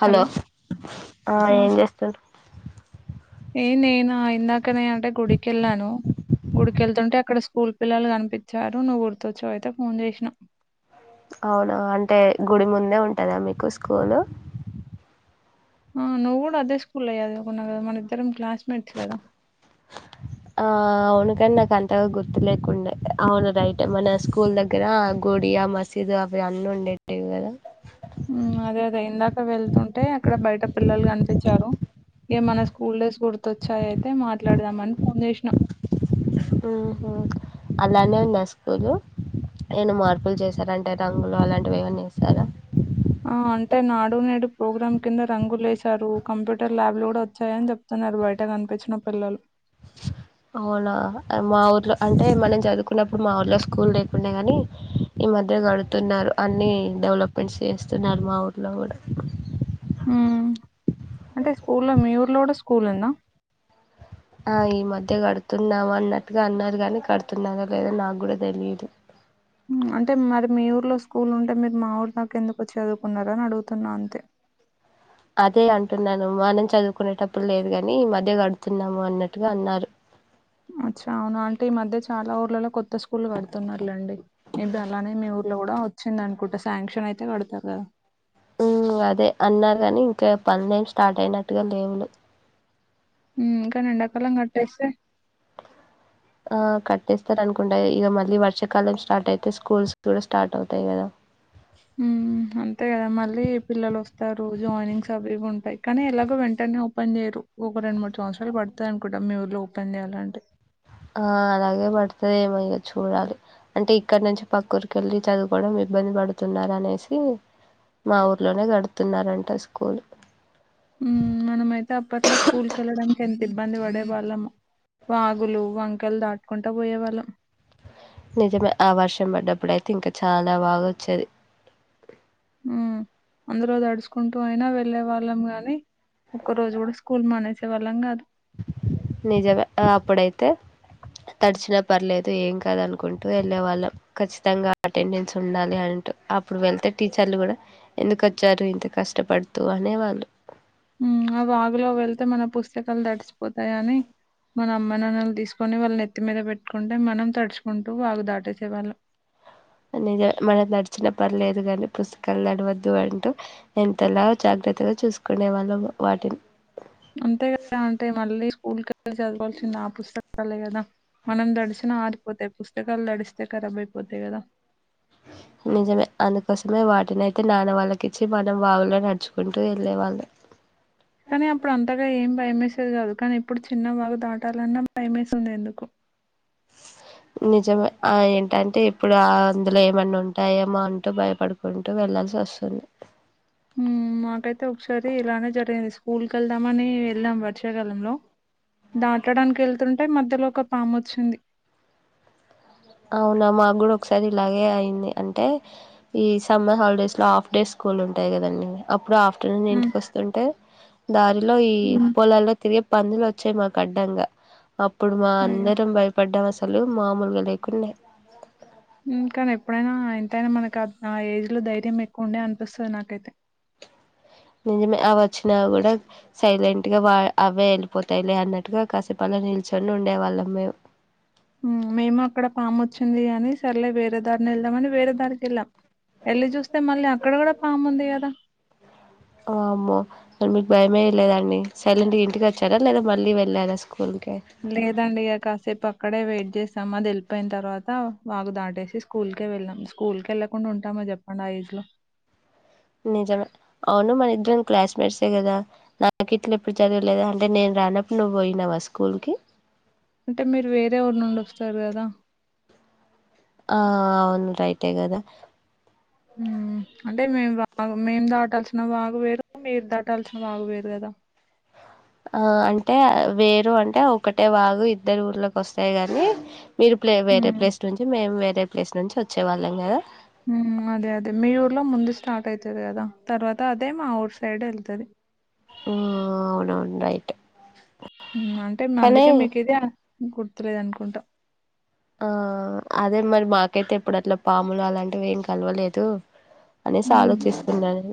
Hello ఆహ్ ఆ ఏం జెస్తాడు ఏ నేనా ఇందాక్ ఇక్కనేే అంటే గుడికెళ్ళాను గుడికెళ్తుంటే అక్కడ స్కూల్ పిల్లలు గనిపించారు నువ్వు గుర్తుచ్చావ్ అయితే ఫోన్ జెసినా అవును అంటే గుడి ముందే ఉంటుంద మీకు స్కూలు ఆహ్ నువ్వ్ గూడా అదే స్కూల్లో చదువుకున్నావ్ గద మన ఇద్దరం క్లాస్. ఆహ్ అవును కానీ నాకు అన్ గుర్తు లేకుండె అవును రైటె మన స్కూల్ దగ్గర గుడి ఆ మసీదు అవి అన్నీ ఉండేట్టివి గదా. అదే అదే ఇందాక వెళ్తుంటే అక్కడ బయట పిల్లలు కనిపించారు ఇగ మన స్కూల్ డేస్ గుర్తొచ్చాయ్ అయితే మాట్లాడదామని ఫోన్ జేస్నా. మ్మ్ హుఅలానే ఉందా స్కూలు ఏఅన్న మార్పులు చేశార అంటే రంగులు అలాంటివి ఏవన్న ఎసార. ఆహ్ అంటే నాడు నేడు ప్రోగ్రామ్ కింద రంగు లేసారు కంప్యూటర్ ల్యాబ్లు గూడా వచ్చాయని చెప్తున్నారు బయట కనిపించిన పిల్లలు. అవునా అ మా ఊర్లో అంటే మనం చదువుకున్నప్పుడు మా ఊళ్లో స్కూల్ లేకుండె గానీ ఈ మధ్య గడుతున్నారు అన్నీ డెవలప్మెంట్స్ చేస్తున్నారు మా ఊర్లో గూడా. మ్మ్ అంటే స్కూల్లో మీ ఊర్లో గూడా స్కూల్ ఉందా. ఆ ఈ మధ్య కడుతున్నాము అన్నట్టుగా అన్నారు కాని కడుతున్నారా లేదా నాకు గూడా తెలిదు. మ్మ్ అంటే మరి మీ ఊర్లో స్కూల్ ఉంటే మీరు మా ఊర్లో ఎందుకు వచ్చి చదువుకున్నారు అని అడుగుతున్నా అంతే. అదే అంటున్నాను మనం చదువుకునేటప్పుడు లేదు గాని ఈ మధ్య గడుతున్నాము అన్నట్టుగా అన్నారు. అచ్చా అవునా అంటే ఈ మధ్య చాలా ఊర్లలో కొత్త స్కూళ్లు గడుతున్నార్లెండి. ఏమిటి అలానేే మీ ఊ లోడ వచ్చింది అనుకుంట శాంక్షన్ అయితే గడతారు గదా. హ్మ్ అదే అన్నర్ గాని ఇంకా పని ఏం స్టార్ట్ అయినట్టుగా లేవు లే హ్మ్ కాని ఎండకాలం గట్టేస్తే ఆహ్ కట్టేస్తారు అనుకుంటా ఇగ మళ్ళీ వర్షాకాలం స్టార్ట్ అయితే స్కూల్స్ కూడా స్టార్ట్ అవుతాయి గదా. హ్మ్ అంతే కదా మళ్ళీ పిల్లలు వస్తారు జాయినింగ్స్ అవి ఇవి ఉంటాయ్ కానీ ఎలాగో వెంటనే ఓపెన్ జెయరు ఒక రెండు మూడు సంవత్సరాలు పడుతాయి అనుకుంటాం మీ ఊర్లో ఓపెన్ జెయాలంటే. ఆహ్ అలాగే పడుతదేమో ఇగ చూడాలి అంటే ఇక్కడ నుంచి పక్కరుకి ఎళ్ళి చదువుకోడం ఇబ్బంది పడుతున్నారు అనేసి. మా ఊర్లోనే గడుతున్నారండి ట స్కూల్ హ్మ్ మనమైతే అప్పట్లో స్కూల్ కెళ్ళడానికి ఎంత ఇబ్బంది బడే వాళ్ళమొ. వాగులు వంకల్ దా కొంట పోయేవాళ్ళం నిజమే ఆ వర్షం పడ్డప్పుడు అయితే ఇంకా చాలా బాగా వచ్చేది హ్మ్ అందులో తడుచుకుంటూ అయినా వెళ్ళే వాళ్ళం గాని ఒక్క రోజు కూడా స్కూల్ మానేసే వాళ్ళం కాదు నిజమే అప్పుడైతే తడిచినా పర్లేదు ఏం కాదు అనుకుంటూ వెళ్ళే వాళ్ళం ఖచ్చితంగా అటెండెన్స్ ఉండాలి అంటూ అప్పుడు వెళ్తే టీచర్లు కూడా ఎందుకు వచ్చారు ఇంత కష్టపడుతూ అనే వాళ్ళు హ్మ్ ఆ వాగులో వెళ్తే మన పుస్తకాలు తడిచిపోతాయని మన అమ్మ నాన్న తీసుకు కొని వాళ్ళ నేత్తి మీద పెట్టుకుంటే మనం తడుచుకుంటూ వాగు దాటేసేవాళ్ళం నిజం మనం తడిచిన పర్లేదు అ కాని పుస్తకాలు తడవద్దు అంటూ ఎంతలా జాగ్రత్తగా చూసుకునే వాళ్ళం వాటిని అంతే కదా అంటే మళ్ళీ స్కూల్ కెళ్ళి చదవాల్సింది ఆ పుస్తకాలే కదా మనం తడిచిన ఆర్ పోతే పుస్తకాలు తడిస్తే కారబైపోతాయి కదా నిజమే అందుకోసమే వాటిని నాన్న వాళ్ళకి ఇచ్చి మనం వాగులో నడుచుకుంటూ వెళ్ళే వాళ్ళు కానీ అప్పుడు అంతగా ఏం భయమే సేది కాదు కానీ ఇప్పుడు చిన్న వాగు దాటాలన్నా భయమేస్తుంది ఎందుకో నిజమే ఆ ఎన్ ఏంటే ఇప్పుడు అందులో ఏమన్నా ఉంటాయేమో అంటూ భయపడుకుంటూ వెళ్లాల్సి వస్తుంది హ్మ్ మాకఐతే అయితే ఒకసారి ఇలానే జరిగింది స్కూల్ కి వెళ్దామని వెళ్లాం వర్షాకాలంలో దాటడానికి వెళ్తుంటే మధ్యలో ఒక పాము వచ్చింది అవునా మాకు కూడా ఒకసారి ఇలాగే అయింది అంటే ఈ సమ్మర్ హాలిడేస్ లో హాఫ్ డేస్ స్కూల్ ఉంటాయి కదండి అప్పుడు హాఫ్ మ్మ్ ఇంటికి వస్తుంటే దారిలో ఈ మ్మ్. పొలాల్లో తిరిగే పందులు వచ్చాయి మాకు అడ్డంగా అప్పుడు మా అయ్యో అందరం భయపడ్డాం అస సలు మామూలుగై కున్ని కానీ ఎప్పుడైనా ఎంతైనా మనకు ఆ ఏజ్ లో ధైర్యం ఎక్కువ ఉండే అనిపిస్తుంది నాకైతే నిజమే ఆ వచ్చినా కూడా సైలెంట్ గా వా అవే వెళ్ళిపోతాయిలే అన్నట్టుగా కాసేపల నిల్చొని ఉండే వాళ్ళం మేము మేము అక్కడ పాము వచ్చింది అని సర్లే వేరే దారిని వెళ్దామని వేరే దారికి వెళ్ళాం వెళ్ళి చూస్తే మళ్ళీ అక్కడ కూడా పాము ఉంది కదా వామ్మో మీకు భయమే లేదండి సైలెంట్ ఇంటికి వచ్చారా లేద మళ్ళీ వెళ్ళారా స్కూల్ లేదండి ఇగ కాసేపు అక్కడే వే చేస్తాం అది వెళ్ళిపోయిన తర్వాత వాకు దాటేసి స్కూల్క వెళ్ళాం స్కూల్ క వెళ్ళకుండా ఉంటామా చెప్పండి ఆ ఏజ్ లో నిజమే అవును మన ఇద్దరం క్లాస్ మేట్సే కదా నాకు ఇట్లా ఎప్పుడు చదవలేదా అంటే నేను రానప్పుడు నువ్వు పోయినావా స్కూల్ కి అంటే మీరు వేరే ఊరి నుండి వస్తు సర కదా ఆ అవును రైట్ ట్టే కదా ఉమ్ అంటే మేము బాగా మేం దాటాల్సిిన సనా వాగ వేరుగా మీరు ద టల్సిన వాగ వేరుగాదా ఆ అంటే వేరు అంటే ఒకటే వాగు ఇద్దరు ఊళ్ళ కి వస్తాయి కాని మీరు ప్లే వేరే మ్మ్ ప్లేస్ నుంచి మేము వేరే అే ప్లేస్ నుంచి వచ్చేవాళ్ళం కదా మ్ అదే అదే మీ ఊర్లో ముందు స్టార్ట్ అవుతుది కదా తర్వాత అదే మా ఊరు సైడ్ వెళ్తుది ఆ అవునవును రయి అంటే అందుకే మీకు ఇది గుర్తులేదు అనుకుంటా ఆ అ అదే మరి మాకైతే ఇప్పుడు అట్లా పాములు అలాంటివి ఏం కలవలేదు అనేసి ఆలోచిస్తున్నాను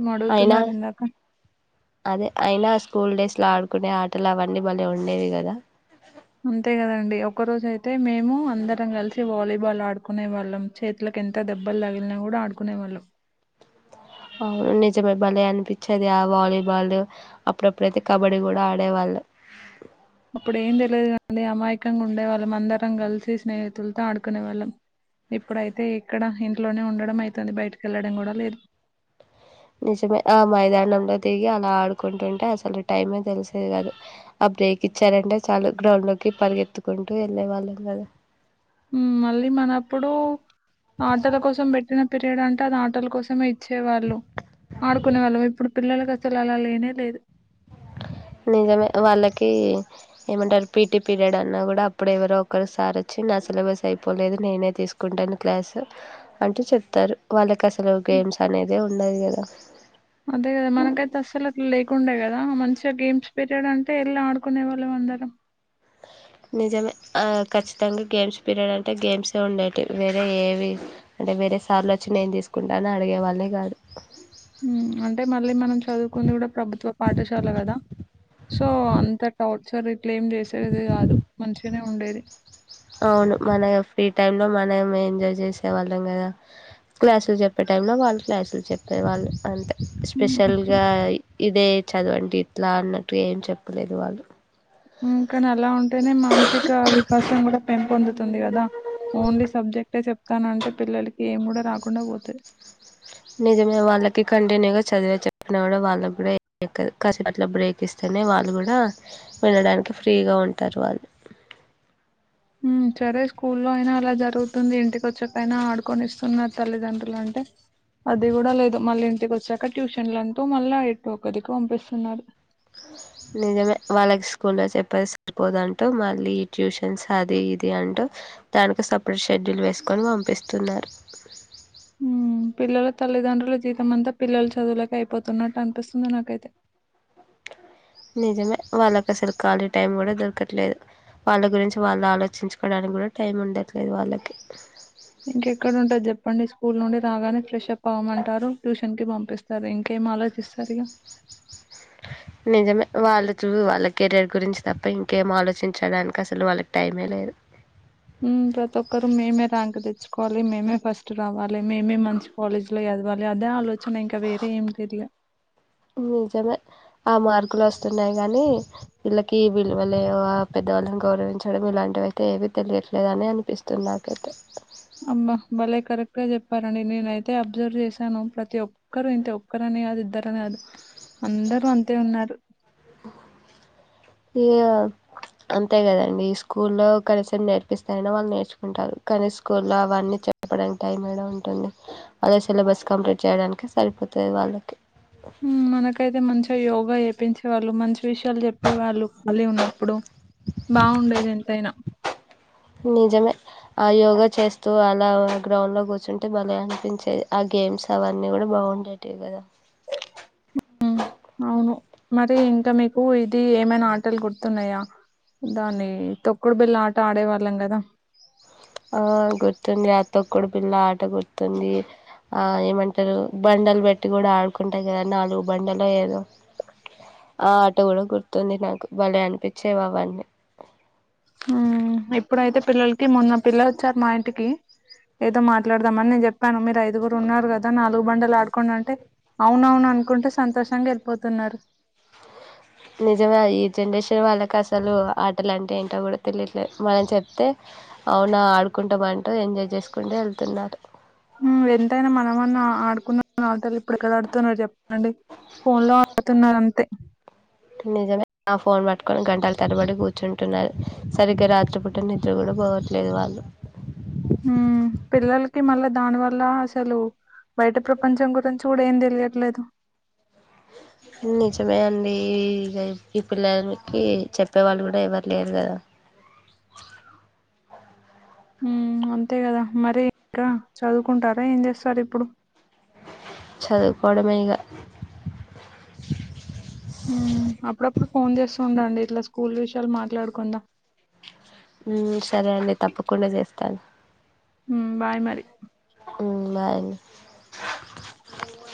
మ్మ్ అయినా అడుగుతున్నారు ఇందాక అదే అయినా స్కూల్ డేస్ అట్లా ఆడుకునే ఆటలు అవన్నీ మళ్ళీ ఉండేవి కదా అంతే కదండి ఒకరోజ అైతే మేము అందరం కలిసి వాలీబాల్ ఆడుకునే వాళ్ళం చేతులకు ఎంత దెబ్బలు తగిలినా కూడా ఆడుకునే వాళ్ళం అవును నిజమే బల అని పిచ్చేది వాలీబాల్ అప్పుడప్పుడైతే కబడ్డీ కూడా ఆడేవాళ్ళు అప్పుడు ఏం తెలియదు కాండి అమాయకంగా ఉండే వాళ్ళం అందరం కలిసి స్నేహితులతో ఆడుకునే వాళ్ళం ఇప్పుడైతే ఇక్కడ ఇంట్లోనే ఉండడం అయితుంది బయటికెళ్ళడం కూడా లేదు నిజమే ఆ మైదాంనం లో దిగి ఆ ఆడుకుంటుంటే అసలు టైమే తెలిసేది కాదు ఆ బ్రేక్ ఇచ్చారంటే చాలు గ్రౌండ్ లోకి పరిగెత్తుకుంటూ వెళ్ళే వాళ్ళం కదా మళ్ళీ మనప్పుడు ఆటల కోసం పెట్టిన పి డంటే అది ఆటల కోసమే ఇచ్చేవాళ్ళు ఆడుకునే వాళ్ళం ఇప్పుడు పిల్లలకి అసలు అలా లేనే లేదు నిజమే వాళ్ళకి ఏమంటారు పీటీ పీరియడ్ అన్నా కూడా అప్పుడు ఎవరో ఒకరుసారి వచ్చి నా సిలబస్ అయిపోలేదు నేనే తీసుకుంటాను క్లాస్ అంటూ చెప్తారు వాళ్ళకి అసలు హ్మ్, గేమ్స్ అనేదే ఉండదు కదా అదే కదా మనకైతే అస్సలు అట్లా లేకుండే కదా మంచి గేమ్స్ పీరియడ్ అంటే ఎల్లా ఆడుకునే వాళ్ళం అందరం నిజమే ఆ ఖచ్చితంగా గేమ్స్ పీరియడ్ అంటే గేమ్సే ఉండేటివి వేరే ఏవి అంటే వేరే సార్లొచ్చి నేను తీసుకుంటా అని అడిగేవాళ్ళే కాదు. మ్మ్ అంటే మళ్ళీ మనం చదువుకుంది కూడా ప్రభుత్వ పాఠశాల కదా. సో అంత టార్చర్ ఇ ట్లేమ్ చేసేది గాదు మంచి గనే ఉండేది. అవును మన ఫ్రీ టైమ్ లో మ నం ఎంజాయ్ చేసేవాళ్ళం గదా. క్లాసులు చెప్పే టైమ్ లో వాళ్ళు క్లాసులు చెప్పేవాళ్లు అంతే. హ్మ్, స్పెషల్గా ఇదే చదవండి ఇట్లా అన్నట్టు ఏం చెప్పలేదు వాళ్ళు. మ్ కాని అలా ఉంటేనే మానసిక వికాసం కూడ పెంపొందుతుంది కదా. ఓన్లీ సబ్జెక్టే చెప్తానంటే పిల్లలకి ఏం గూడ రాకుండా పోతది. నిజమే వాళ్ళకి కంటిన్యూగా చదివే చెప్పిన గూడ వాళ్ళకు గూడ ఏం ఎక్కదు కాసేపు అట్లా బ్రేక్ ఇస్తేనే వాళ్ళు గూడా వెళ్ళడానికి ఫ్రీగా ఉంటారు వాళ్ళు. మ్ సరే స్కూల్లో అయినా అలా జరుగుతుంది, ఇంటిక వచ్చాకైనా ఆడుకొనిస్తున్నారు తల్లిదండ్రులు అంటే, అది కూడ లేదు మళ్ళి ఇంటికొ చ్చాక ట్యూషన్లంటూ మళ్ళ ఎటో ఒకదిక్కు పంపిస్తున్నారు. నిజమే వాళ్ళకి స్కూల్ లో చెప్ స్ట్రెస్ సరిపోదు అంటూ మళ్ళీ ట్యూషన్స్ అది ఇది అంటూ దానికి సపరేట్ షెడ్యూల్ వేసుకొని పంపిస్తున్నారు. మ్మ్ పిల్లల తల్లిదండ్రులు జీ తమంత పిల్లలు చదువులకే అయిపో తున్నట్టు అనిపిస్తుంది నాకైతే! నిజమే వాళ్ళకసలు కాలీ టైమ్ గూడ దొ క్కట్లేదు వాళ్ళ గురించి వాళ్ళు ఆలోచించుకోడానికి కూడ టైం ఉండట్లేదు వాళ్ళకే ఇంకెక్కడ ఉంటది చెప్పండి. స్కూల్ నుండి రాగానే ఫ్రెషప్ అవమంటారు, ట్యూషన్ కి పంపిస్తారు. ఇంకేం ఆలోచిస్తారు ఇగ నిజమే వాళ్ళు చూ వాళ్ళ కెరీయర్ గురించి తప్ప ఇంకేం ఆలోచించడానికి అసలు వాళ్ళకి టైమే లేదు. మ్మ్ ప్రతి ఒక్కరు మేమే ర్యాంక్ తెచ్చుకోవాలి, మేమే ఫస్ట్ రావాలి, మేమే మంచి కాలేజ్ లో చదవాలి, లే అదే ఆలోచన ఇంక వేరే ఏం తెలిలే నిజమే ఆ మార్కులు వస్తున్నాయి గాని, వీళ్ళకి విలువలేవా పెద్దవాళ్ళని గౌరవించడం, ఇలాంటివైతే ఏవీ తెలియట్లేదు అని అనిపిస్తుంది నాకైతే! ప్పానండి నేను అయితే అబ్జర్వ్ చేశాను ప్రతి ఒ క్కరు ఇంతే ఒక్కరని కాదు ఇ అందర కాదు అందరూ అంతే ఉన్నారు ఇ అంతే కదండి ఈ స్కూల్లో కనీసం నేర్పిస్తా అయినా వాళ్ళు నేర్చుకుంటారు కానీ స్కూల్లో అవన్నీ చెప్పడానికి టైం యాడ ఉంటుంది వాళ్ళ సిలబస్ కంప్లీట్ చేయడానికి సరిపోతుంది వాళ్ళకి మనకైతే మంచిగా యోగ్ యోగ వేపించే వాళ్ళు మంచి విషయాలు చెప్పే వాళ్ళు ఖాళీ ఉన్నప్పుడు బాగుండేది ఎంతైనా నిజమే ఆ యోగా చేస్తూ అలా గ్రౌండ్ లో కూర్చుంటే బలే అనిపించేది ఆ గేమ్స్ అవన్నీ కూడా బాగుండేటివి కదా అవును మరి ఇంకా మీకు ఇది ఏమైనా ఆటలు గుర్తున్నాయా దాన్ని తొక్కుడు బిల్ళ ఆట ఆడేవాళ్ళం కదా ఆ గుర్తుంది అ తొక్ తో కుడు పిల్ల ఆట గుర్తుంది ఆ ఏమంటారు బండలు పెట్టి కూడా ఆ కుంటాయ్ కదా నాలుగు బండలు ఏదో ఆ ఆట కూడా గుర్త తుంది నాకు భలే అనిపిచేవి అవన్నీ మ్మ్ ఎప్పుడైతే పిల్లలకి మొన్న పిల్ల సార్ మా ఇంటికి ఏదో మాట్లాడదామని నేను చెప్పాను మీరు ఐదుగురు ఉన్నారు కదా నాలుగు బండలు ఆడుకోండి అంటే అవున్ అవును అనుకుంటే సంతోషంగా వెళ్ళిపోతున్నారు నిజమే ఈ జనరేషన్ వాళ్ళకి అసలు ఆటలు అంటే ఏంటో కూడా తెలియట్లే మనం చెప్తే అవునా ఆడుకుంటాం అంటూ ఎంజాయ్ చేసుకుంటే వెళ్తున్నారు ఎంతైనా మనమన్న ఆడు కూన అవతలి [unintelligible] ఇపుడూ ఎక్కడ ఆడుతున్నారు చెప్పండి ఫోన్ లో ఆడుతున్నారు అంతే నిజమే ఆ ఫోన్ పట్ కొని గంటలు తరబడి కూర్చు కూర్చుంటున్నారు సరిగ్గా రాత్రి పుట్టిన నిద్ర కూడా పోవట్లేదు వాళ్ళు హ్మ్ పిల్లలకి మళ్ళా దానివల్ల అసలు బయట ప్రపంచం గురించి కూడా ఏం తెలియట్లేదు నిజమే అండి ఇ ఈ పిల్లలకి చెప్పేవాళ్ళు కూడా ఎవరు లేరు కదా మ్మ్ అంతే కదా మరి ఇంకా చదువుకుంటారా ఏం చేస్తారు ఇప్పుడు? చదువుకోవడమే ఇక మ్మ్ అప్పుడప్పుడు ఫోన్ చేస్తూ ఉండండి ఇట్లా స్కూల్ విషయాలు మాట్లాడకుండా సరే అండి తప్పకుండా చేస్తాను బాయ్ మరి అ [inaudible]